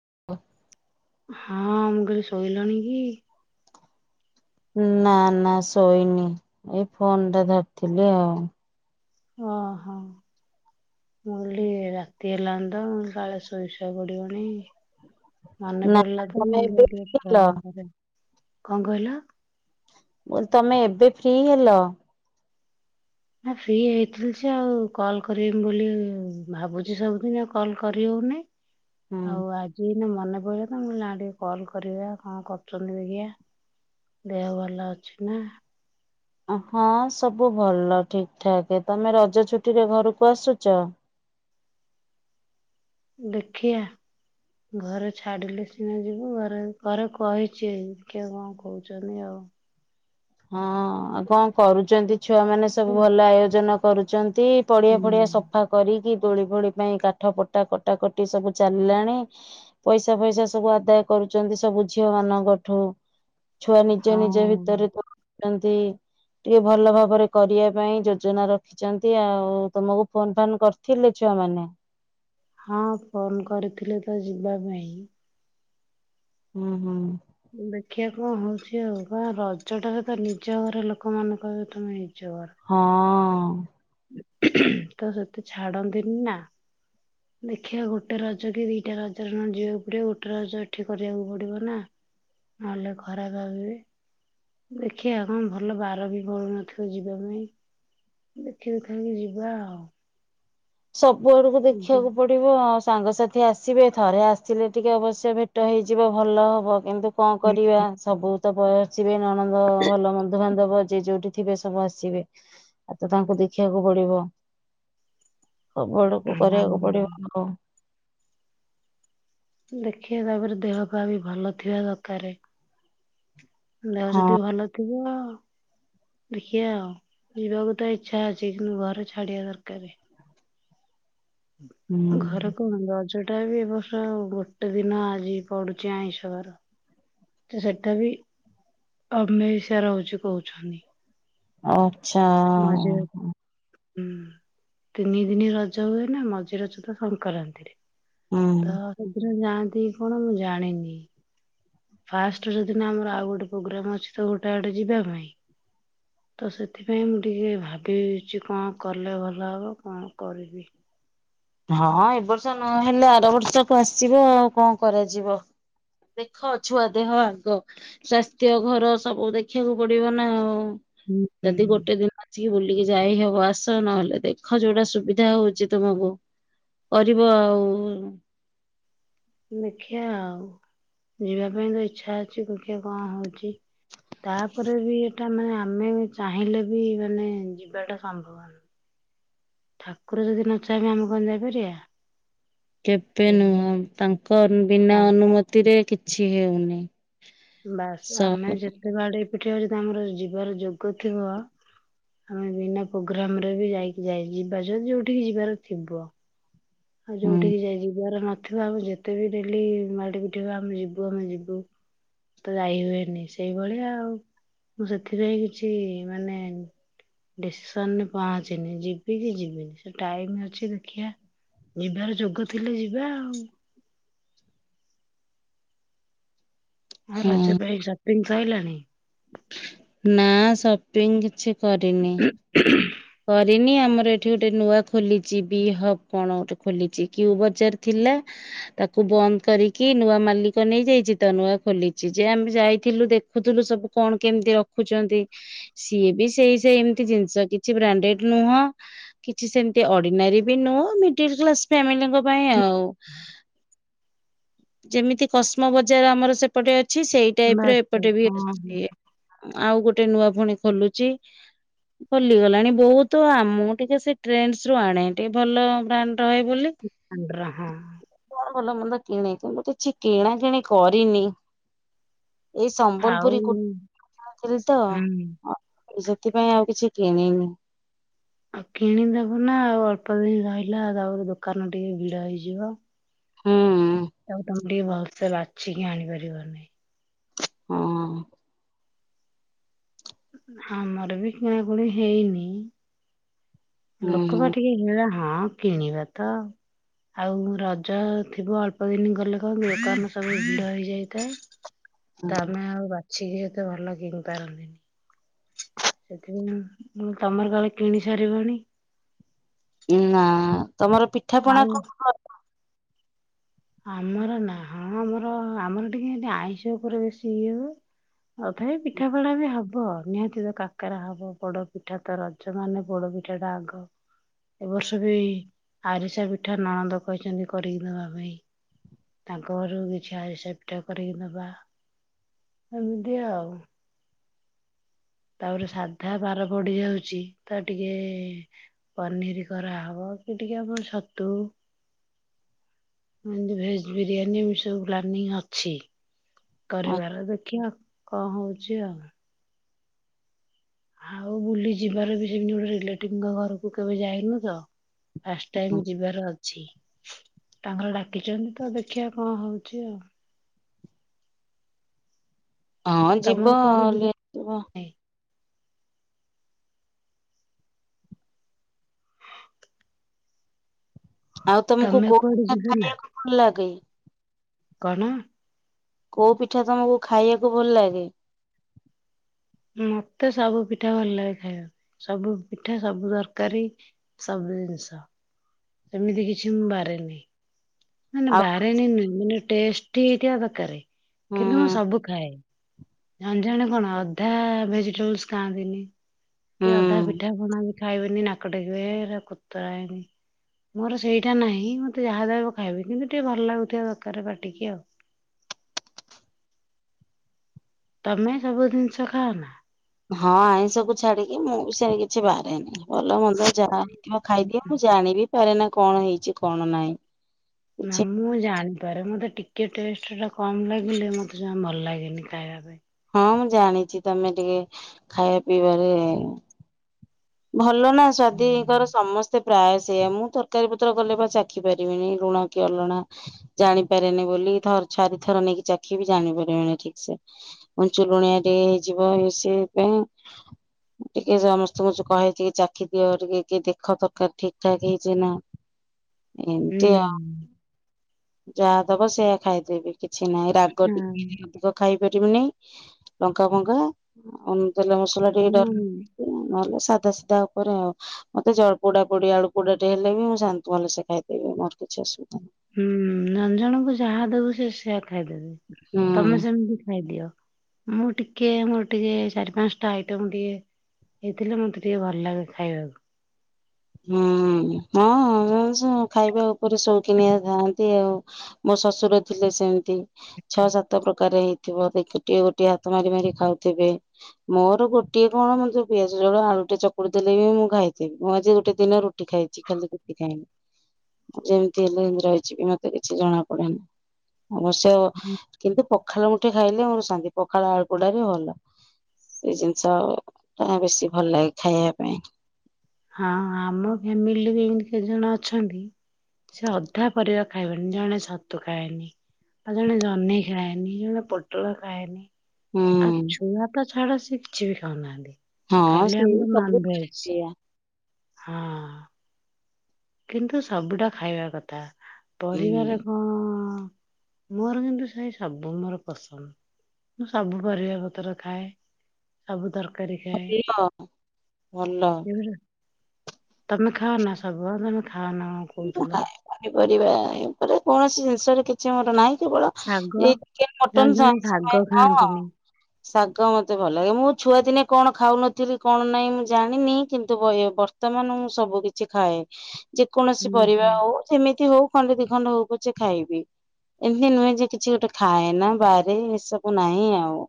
[unintelligible] ହଁ ମୁଁ କହିଲି ଶୋଇଲଣି କି? ନା ନା ଶୋଇନି ଏଇ ଫୋନ ଟା ଧରିଥିଲି ଆଉ ଓହୋ ମୁଁ କଲି ରାତି ହେଲାଣି ତ କାଳେ ଶୋଇସୁଆ ପଡିବଣି ମନେ ନା ପଡିଲା ତ ମୁଁ ତମେ ଏବେ କହିଲି ଟିକେ ଫ୍ରି ହେଲ ଫୋନ କରେ କଣ କହିଲ? ମୁଁ [unintelligible] ତମେ ଏବେ ଫ୍ରି ହେଲ? ନା ଫ୍ରୀ ହେଇଥିଲି ସେ ଆଉ କଲ୍ କରିବି ବୋଲି ଭାବୁଛି ସବୁଦିନ ଆଉ କଲ୍ କରି ହଉନି ହଉ ହୁଁ ଆଜୀ ମନେ ପଡିଲା ତ ନା ଟିକେ କଲ୍ କରିବା କଣ କରୁଛନ୍ତି ଦେଖିବା ଦେହ ଭଲ ଅଛି ନା? ହଁ ସବୁ ଭଲ ଠିକ ଠାକ ତମେ ରଜ ଛୁଟି ରେ ଘରକୁ ଆସୁଛ? ଦେଖିଆ ଘରେ ଛାଡିଲେ ସିନା ଯିବୁ ଘରେ ଘରେ କହିଛି ଦେଖିଆ କଣ କହୁଛନ୍ତି ଆଉ ହଁ ଆଉ କଣ କରୁଛନ୍ତି? ଛୁଆମାନେ ସବୁ ହୁଁ ଭଲ ଆୟୋଜନ କରୁଛ ନ୍ତି ପଡିଆ ଫଡିଆ ସଫା କରିକି ଦୋଳି ଫୋଳି ପାଇଁ କାଠ ପଟା କଟା କଟି ସବୁ ଚାଲିଲାଣି ପଇସା ଫଇସା ସବୁ ଆଦାୟ କରୁଛନ୍ତି ସବୁ ଝିଅ ମାନଙ୍କଠୁ ଛୁଆ ନିଜ ନିଜ ହଁ। ଭିତରେ ତ ଛନ୍ତି ଟିକେ ଭଲ ଭାବରେ କରିବା ପାଇଁ ଯୋଜନା ରଖିଛନ୍ତି ଆଉ ତମକୁ ଫୋନ୍ ଫାନ୍ କରିଥିଲେ ଛୁଆମାନେ? ହଁ ଫୋନ କରିଥିଲେ ତ ଯିବା ପାଇଁ ହୁଁ ହୁଁ ଦେଖିବା କଣ ହଉଛି ଆଉ ବା ରଜ ଟା ତ ନିଜ ଘର ଲୋକମାନଙ୍କ ଠୁ ନେଇ ନିଜ ହଁ ହଁ ତ ସେତେ ଛାଡନ୍ତିନି ନା ଦେଖିବା ଗୋଟେ ରଜ କି ଦିଟା ରଜରେ ନ ଯିବାକୁ ପଡିବ ଗୋଟେ ରଜ ଏଠି କରିବାକୁ ପଡିବ ନା ନହେଲେ ଖରାପ ଭାବିବେ ଦେଖିବା କଣ ଭଲ ବାର ବି ପଳୁନଥିବ ଯିବା ପାଇଁ ଦେଖି ଦେଖାକି ଯିବା ଆଉ ସଵ ବଡକୁ ହଁ ଦେଖିବାକୁ ପଡିବ ଆ ସାଙ୍ଗସାଥି ଆସିବେ ଥରେ ଆସିଲେ ଟିକେ ଅବଶ୍ୟ ଭେଟ ହେଇଯିବ ଭଲ ହବ କିନ୍ତୁ କଣ କରିବା ସବୁ [unintelligible] ଥିବେ ନଣନ୍ଦ ଭଲ ବନ୍ଧୁବାନ୍ଧବ ଯେ ଯୋଉଠି ଥିବେ ସବୁ ଆସିବେ ଆଉ ତ ତାଙ୍କୁ ଦେଖିବାକୁ ପଡିବ ସବୁ ଆଡକୁ କରିବାକୁ ପଡିବ ଆଉ ଦେଖିବା ତାପରେ ଦେହ ପା ବି ଭଲ ଥିବା ଦକାରେ ଦେହ ହଁ ଯଦି ଭଲ ଥିବ ଦେଖିବା ଆଉ ଯିବାକୁ ତ ଇଚ୍ଛା ଅଛି କିନ୍ତୁ ଘରେ ଛାଡିବା ଦକାରେ ହୁଁ ଘରକୁ ହୁ [inaudible] ସେଟା ବି ଏ ବର୍ଷ ଆଉ ଗୋଟେ ଦିନ ଆଜି ପଡୁଚି ଆଇଁଷବାର ତ ସେଟା ବି ଅମେଇଶା ରହୁଚି କହୁଛନ୍ତି। ଓ ଛା ମଝିରେ ଓହୋ ହୁଁ ତିନି ଦିନି ରଜ ହୁଏ ନା ମଝି ରଜ ତ ସଂକରାନ୍ତିରେ ହୁଁ। ତ ସେଦିନ ଯା ତି କଣ ମୁଁ ଜାଣିନି ଫାଷ୍ଟ ଯଉଦିନ ଆମର ଆଉ ଗୋଟେ ପୋଗ୍ରାମ ଅଛି ତ ଗୋଟେ ଆଡେ ଯିବା ପାଇଁ ତ ସେଥି ପାଇଁ ମୁଁ ଟିକେ ଭାବିଚି କଣ କଲେ ଭଲ ହବ କଣ କରିବି? ହଁ ଏ ବର୍ଷ ନହଲେ ଆର ବର୍ଷକୁ ଆସିବା ଆଉ କଣ କରାଯିବ ଦେଖ ଛୁଆ ଦେହ ଆଗ ସ୍ୱାସ୍ଥ୍ୟ ଘର ସବୁ ଦେଖିବାକୁ ପଡିବ ନା ଆଉ ହୁଁ ହୁଁ ଚି ବୁଲିକି ଯାଇ ହବ ଆସ ନହେଲେ ଦେଖ ଯୋଉଟା ସୁବିଧା ହଉଚି ତୁମକୁ କରିବ ଆଉ। ଦେଖିିଆ ଆଉ ଯିବା ପାଇଁ ତ ଇଚ୍ଛା ଅଛି। ଦେଖିଆ କଣ ହଉଚି ତାପରେ ବି ସେଟା ମାନେ ଆମେ ଚାହିଁଲେ ବି ମାନେ ଯିବାଟା ସମ୍ଭବ ଠାକୁର ଯଦି ନ ଚାହିଁବେ ଆମେ କଣ ଯାଇପାରିବା? କେବେ ନୁହଁ ସେଇଭଳିଆ ତାଙ୍କ ବିନା କଥା। ଅନୁମତିରେ କି ଛି ହେଉନି ବାସ୍ ସପ ଆମେ ଯେତେ ବାଡେ ଦେଖିବ ଯଦି ଆମର ଯିବାର ଯୋଗ ଥିବ ଆମେ ବିନା ପୋଗ୍ରାମ ରେ ବି ଯାଇକି ଯାଇ ଯିବା ଯ ଯୋଉଠିକି ଯିବାର ଥିଵ ଆଉ ହଁ ଯୋଉଠିକି ଯାଇ ଯିବାର ନ [unintelligible] ଯେତେ ବି ଡେଲି ମାଡି ପିଟି ହେବା ଆମେ ଯିବୁ ଆମେ ଯିବୁ ତ ଯାଇ ହୁଏନି ସେଇଭଳିଆ ଆଉ ମୁଁ ସେଥିପାଇଁ କିଛି ମାନେ ଡିସିସନ୍ ରେ ପହଞ୍ଚିନି ଯିବି କି ଯିବିନି ସେ ଟାଇମ ଅଛି ଦେଖିଆ ଯିବାର ଯୋଗ ଥିଲେ ଯିବା ଆଉ। ହଁ ରଜ ପାଇଁ ସ ଜିନିଷ ଆଇଲାଣି ନା ସପିଙ୍ଗ କିଛି ସରିନି ରିନି ଆମର ଏଠି ଗୋଟେ ନୂଆ ଖୋଲିଚି ବି ହବ କଣ ଗୋଟେ ଖୋଲିଚି କ୍ୟୁ ବଜାର ଥିଲା ତାକୁ ବନ୍ଦ କରିକି ନୂଆ ମାଲିକ ନେଇଯାଇଚି ତ ନୂଆ ଖୋଲିଚି ଯେ ଆମେ ଯାଇଥିଲୁ ଦେଖୁଥୁଲୁ ସବୁ କଣ କେମିତି ରଖୁଚନ୍ତି ସିଏ ବି ସେଇ ସେ ଏମତି ଜିନିଷ କି କିଛି ବ୍ରାଣ୍ଡେଡ ନୁହଁ କିଛି ସେମତି ଅର୍ଡିନାରୀ ବି ନୁହଁ ମିଡିଲ୍ କ୍ଲାସ ଫାମିଲିଙ୍କ ପାଇଁ ଆଉ [inaudible] ଯେମିତି କସ୍ମ ବଜାର ଆମର ସେପଟେ ଛି ସେଇ ଟାଇପ ର ବାସ୍ ବାସ୍ ଏପଟେ ବି ହଁ ହଁ ଅଛି ଆଉ ଗୋ ଗୋଟେ ନୂଆ ପୁଣି ଖୋଲୁଚି ଲି ଗଲାଣି ବହୁତ ଆମ ଟିକେ ସେ ଟ୍ରେଣ୍ଡ ସ୍ ରୁ ଆଣେ ଟିକେ ଭଲ ବ୍ରାଣ୍ଡ ରହେ ବୋଲି ବ୍ରାଣ୍ଡ ର ହଁ କଣ ଭଲ ମନ୍ଦ କିଣେ କିନ୍ତୁ କିଛି କିଣା କିିଣି କରିନି ଏଇ ଆଉ ସମ୍ବଲପୁରି [unintelligible] ଆଉ ହୁଁ। ସେଥିପାଇଁ ଆଉ କିଛି କିଣିନି ଆଉ କିଣିଦବ ନା ଆଉ ଅଳ୍ପ ଦିନ ରହିଲା ତାପରେ ଦୋକାନ ଟିକେ ଭିଡ ହେଇଯିବ। ହୁଁ [unintelligible] ଟିକେ ଭଲସେ ବାଛିିକି ଆଣିପାରିବନି ହଁ ଆମର ବି କିଣାକୁଣି ହେଇନି ହୁଁ ଲୋକ ବା ଟିକେ ଭିଡ଼ ହଁ କିଣିବା ତ ଆଉ ରଜ ଥିବ ଅଳ୍ପ ଦିନ ଗଲେ କଣ ଦୋକାନ ସବୁ ଭିଡ଼ ହେଇଯାଇଥାଏ ହୁଁ ତମେ ଆଉ ବା ଛି ଏତେ ଭଲ କିଣି ପାରନ୍ତିନି ସେଥିପାଇଁ ତମର କାଳେ କିଣି ସାରିବଣି? ନା ତମର ଆଉ ପିଠାପଣା କଣ କର? ଆମର ନା ହଁ ଆମର ଆମର ଟିକେ ଆଇଁଷ ଉପରେ ବେଶୀ ଇଏ ହୁଏ ତଥାପି ପିଠା ପଣା ବି ହବ ନିହାତି ତ କାକରା ହବ ପୋଡ ପିଠା ତ ରଜ ମାନେ ପୋଡ ପିଠା ଟା ଆଗ ଏ ବର୍ଷ ବି ଆରିସା ପିଠା ନଣନ୍ଦ କହିଛନ୍ତି କରିକି ଦବା ପାଇଁ ତାଙ୍କ ଘରୁ କିଛି ଆରିସା ପିଠା କରିକି ଦବା ଏମିତି ଆଉ ତାପରେ ସାଧା ବାର ପଡି ଯାଉଛି ତ ଟିକେ ପନିର କରା ହବ କି ଟିକେ ଆମର ଛତୁ ଏମିତି ଭେଜ୍ ବିରିୟାନୀ ଏମିତି ସବୁ ପ୍ଲାନିଂ ଅଛି କରିବାର ଦେଖିବା କଣ ହଉଛି ଅଛି ଆଉ ଆଉ ବୁଲି ଯିବାର ବି ସେମିତି ଗୋଟେ ରିଲେଟିଭ୍ ଙ୍କ ଘରକୁ କେବେ ଯାଇନୁ ତ ଫାଷ୍ଟ ଟାଇମ୍ ଯିବାର ଅଛି ତାଙ୍କର ଡାକିଛନ୍ତି ତ ଦେଖିବା କଣ ହଉଛି ଆଉ ହଁ ତମର ଯିବ କୁଆଡେ ଯିବ [unintelligible] ନାଇଁ ଆଉ ତମକୁ ତମେ କୋଉ କୁଆଡେ [unintelligible] ଯିବ ନା ଖାଇବାକୁ ଭଲ ଲାଗେ? କଣ? କୋଉ ପିଠା ତମକୁ ଖାଇବାକୁ ଭଲ ଲାଗେ? ମତେ ସବୁ ପିଠା ଭଲ ଲାଗେ ଖାଇବାକୁ ସବୁ ପିଠା ସବୁ ତରକାରୀ ସବୁ ଜିନିଷ ସେମିତି କିଛି ମୁଁ ବାରେନି ନାଇଁ ନାଇଁ ଆଉ ବାରେନି ନୁହେଁ ମାନେ ଟେଷ୍ଟୀ ହେଇଥିବା ଦରକାରେ ହୁଁ କିନ୍ତୁ ମୁଁ ସବୁ ଖାଏ। ଜଣେ ଜଣେ କଣ ଅଧା ଭେଜିଟେବୁଲସ ଖାଆନ୍ତିନି କି ହୁଁ ଅଧା ପିଠାପଣା ବି ଖାଇବେନି ନାକ ଟେକିବେ ହେଇରା କୁତରା ହେଇନି ମୋର ସେଇଟା ନାହିଁ ମତେ ଯାହା ଯାହାଦବ ଖାଇବି କିନ୍ତୁ ଟିକେ ଭଲ ଲାଗୁଥିବା ଦରକାର ପାଟିକି ଆଉ। ତମେ ସବୁ ଜିନିଷ ଖାଅ ନା? ହଁ ଆଇଁଷକୁ ଛାଡିକି ମୁଁ ବି ସେ କିଛି ବାରେନି। ଭଲ ମନ୍ଦ ଯାହା ହେଇଥିବ ଖାଇଦିଏ ମୁଁ ଜାଣି ବି ପାରେନା କଣ ହେଇଛି କଣ ନାହିଁ। ନା କିଛି ମୁଁ ଜାଣିପାରେ ମତେ ଟିକେ କିଏ ଟେଷ୍ଟ ଟା କମ୍ ଲାଗିଲେ ମତେ ଯାହା ଭଲ ଲାଗେନି ଖାଇବା ପାଇଁ। ହଁ ମୁଁ ଜାଣିଛି ତମେ ଟିକେ ଖାଇବା ପିଇବାରେ ଭ ଭଲ ନା ସ୍ୱାଦିକର ସମସ୍ତେ ପ୍ରାୟ ସେଇୟା ମୁଁ ତରକାରୀ ପତ୍ର କଲେ ବା ଚାଖି ପାରିବିନି ଲୁଣ କି ଅଲଣା ଜାଣିପାରେନି ବୋଲି ତ ଛାରିଥର ନେଇକି ଚାଖିବି ଜାଣିପାରିବିନି ଠିକ ସେ କଞ୍ଚୁ ଲୁଣିଆ ଟିକେ ହେଇଯିବ। ଏ ସେ ପାଇଁ ଟିକେ ସମସ୍ତଙ୍କୁ କହେ ଟିକେ ଚାଖି ଦିଅ ଟିକେ କିଏ ଦେଖ ତରକାରୀ ଠିକ ଠାକ ହେଇଛି ନା ଏମିତି ଆଉ ହୁଁ। ଯାହା ଦବ ସେଇୟା ଖାଇଦେବି। କିଛି ନାହିଁ ରାଗ ଟିକେ ବି ଅଧିକ ଖାଇ [unintelligible] ଲଙ୍କା ଫଙ୍କା ତେଲ ମସଲା ଟିକେ ହୁଁ ହଁ ଡର ନହଲେ ସାଧା ସିଧା ଉପରେ ଆଉ ମତେ ଜଳପୋଡା ପୋଡି ଆଳୁ ପୋଡା ଟେ ହେଲେ ବି ମୁଁ ଶାନ୍ତି ଭଲ ସେ ଖାଇଦେବି ମୋର କିଛି ଅସୁବିଧା ନାହିଁ। ହୁଁ ଜଣ ଜଣକୁ ଯାହା ଦବୁ ସେ ସେ ଖାଇଦେବି ତମେ ହୁଁ ସେମିତି ଖାଇଦିଅ। ମୁଁ ଟିକେ ମୋର ଟିକେ ଚାରି ପାଞ୍ଚ ଟା ଆଇଟମ ଟିକେ ହେଇଥିଲେ ମତେ ଟିକେ ଭଲ ଲାଗେ ଖାଇବାକୁ। ହୁଁ ହଁ [unintelligible] ଖାଇବା ଉପରେ ସଉକିନିଆ ଥାଆନ୍ତି ଆଉ ମୋ ଶଶୁର ଥିଲେ ସେମ ନ୍ତି ଛଅ ସାତ ପ୍ରକାର ହେଇ ଥିବ ଟିକେ ଗୋଟିଏ ହାତ ମାରି ମାରି ଖାଉଥିବେ ମୋର ଗୋଟିଏ କଣ ମ ଯ ପିଆଜ ଜଳ ଆଳୁ ଟେ ଚକୁଡି ଦେଲେ ବି ମୁଁ ଖାଇଦେବି ମୁଁ ଆଜି ଗୋଟେ ଦିନ ରୁଟି ଖାଇଛି ଖାଲି କିଛି ଖାଇନି ଯେମିତି ହେଲେ ରହିଯିବି ମତେ କିଛି ଜଣା ପଡେନି। ଅବଶ୍ୟ କିନ୍ତୁ ପଖାଳ ସେଠେ ଖାଇଲେ ମୋର ଶାନ୍ତି ପଖାଳ ଆଳୁପୋଡ଼ା ବି ଭଲ ସେଇ ଜିନିଷ ଟା ବେଶୀ ଭଲ ଲାଗେ ଖାଇବା ପାଇଁ। ହଁ ଆମ ଫ୍ୟାମିଲି ବି ଏମତି କେତେ ଜଣ ଅଛନ୍ତି ସେ ଅଧା ପରିବା ଖାଇବେନି ଜଣେ ଛତୁ ଖାଏନି ବା ଜଣେ ଜହ୍ନେଇ ଖାଏନି ଜଣେ ପୋଟଳ ଖାଏନି ଆ ହୁଁ। ଛୁଆ ତ ଛାଡ ସିଏ କିଛି ବି ଖାଉନାହାନ୍ତି। ହଁ ଖାଲି ସେଇ ସବୁ ସେଇୟା। ହ କିନ୍ତୁ ସବୁ ଟା ଖାଇବା କଥା। ହୁଁ ପରିବାରେ କ ମୋର କିନ୍ତୁ ସେଇ ସବୁ ମୋର ପସନ୍ଦ ମୁଁ ସବୁ ପରିବା ପତ୍ର ଖାଏ ସବୁ ତରକା [unintelligible] ଭଲ। ଏଗୁରା ତମେ ଖାଅ ନା ସବୁ? ହଁ ସେମିତି ମୁଁ ଖାଏ ପନିପରିବା ଉପରେ କୌଣସି ଜିନିଷରେ କି ଛି ମୋର ନାଇଁ କେବଳ ଶାଗ ଏଇ ଟିକେ ଜଣେ ମଟନ ଜଣେ ଆଇଁଷ ଶାଗ ନୁହେଁ ହଁ। ଖାଆନ୍ତିନି। ଶାଗ ମତେ ଭଲ ଲାଗେ ମୁଁ ଛୁଆ ଦିନେ କଣ ଖାଉନଥିବି କଣ ନାଇଁ ମୁଁ ଜାଣିନି କିନ୍ତୁ ଇ ବର୍ତ୍ତମାନ ମୁଁ ସବୁ କିଛି ଖାଏ ଯେ କୌଣସି ହୁଁ ହୁଁ ପରିବା ହୋଉ ଯେମିତି ହୋଉ ଖଣ୍ଡେ ଦି ଖଣ୍ଡ ହୋଉ ପଛେ ଖାଇବି ଏମିତି ନୁହେଁ ଯେ କିଛି ଗୋଟେ ଖାଏନା ବାରେ ଏସବୁ ନାହିଁ ଆଉ।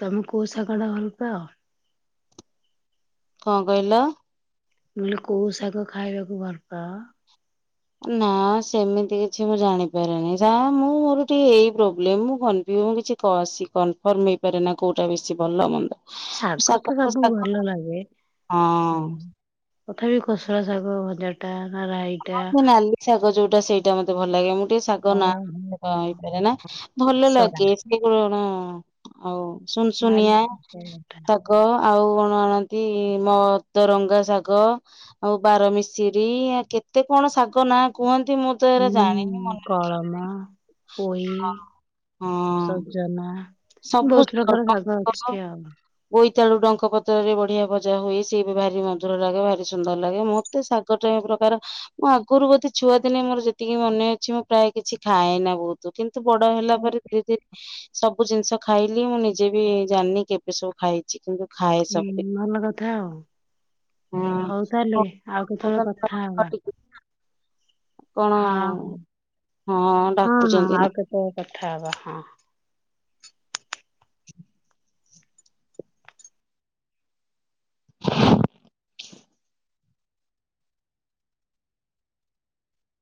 ତମେ କୋଉ ଶାଗଟା ଭଲ ପାଅ? କଣ କହିଲ।? ମୁଁ କହିଲି କୋଉ ଶାଗ ଖାଇବାକୁ ଭଲ ପାଅ? ନା ସେମିତି କିଛି ମୁଁ ଜାଣିପାରେନି ଯାହା ମୁଁ ମୋର ଟିକେ ଏଇ ପ୍ରୋବ୍ଲେମ୍ ମୁଁ କନ୍ ମୁଁ କିଛି ସି କନଫର୍ମ ହେଇପାରେ ନା କୋଉଟା ବେଶୀ ଭଲ ମନ୍ଦ। ଶାଗ ତ ସବୁ ଭଲ ଲାଗେ ହଁ ତଥାପି କୋଶଳା ଶାଗ ଭ ଜାଟା ଆ ରାଇଟା ସମସ୍ତେ ନାଲି ଶାଗ ଯୋଉଟା ସେଇଟା ମତେ ଭଲ ଲାଗେ ମୁଁ ଗୋଟେ ଶାଗ ନା ଓହୋ ହେଇପାରେ ନା ଭଲ କୋଶଳା। ଲାଗେ ସେ କଣ ହୁଁ ଆଉ। ସୁନସୁନିଆ ଶାଗ ଆଉ କ ଆଣନ୍ତି ମଦରଙ୍ଗା ଶାଗ ଆଉ ବାରମିଶିରି ଆଉ କେ ତେ କଣ ଶାଗ ନାଁ କୁହ ହୁଁ କଳମ ପୋଇ ହଁ ସଜନା। ବହୁତ ପ୍ରକାର ଶାଗ ଅଛି ଆଉ। ବୋଇତାଳୁ ଡଙ୍କ ପତ୍ରରେ ବଢିଆ ଭଜା ହୁଏ ସିଏ ବି ଭାରି ମଧୁର ଲାଗେ ଭାରି ସୁନ୍ଦର ଲାଗେ ମତେ ଶାଗ ଟାଏ ପ୍ରକାର ମୁଁ ଆଗରୁ ବୋଧେ ଛୁଆଦିନେ ମୋର ଯେତିକି ମନେ ଅଛି ମୁଁ ପ୍ରାୟ କିଛି ଖାଏ ନା ବହୁତ କିନ୍ତୁ ବଡ ହେଲା ପରେ ଧିରେ ଧି ସ ବୁ ଜିନିଷ ଖାଇଲି ମୁଁ ନିଜେ ବି ଜାଣିନି କେବେ ସବୁ ଖାଇଚି କିନ୍ତୁ ଖାଏ ହୁଁ ସବୁ ଭଲ କଥା ଆଉ। ହୋଉ ହଁ ତାହେଲେ ଆଉ କେତେବେଳେ କଥା ହବା। ଟିକେ କଣ ହଁ ହଁ ହଁ ହଁ ଡାକୁଚନ୍ତି ଆଉ ନା? କେତେବେଳେ କଥା ହବା ହଁ। [inaudible]